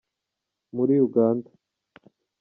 muri Uganda